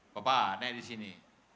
bapak naik di sini